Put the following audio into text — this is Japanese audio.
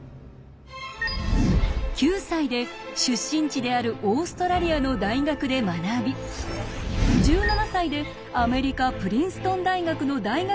９歳で出身地であるオーストラリアの大学で学び１７歳でアメリカプリンストン大学の大学院に入学。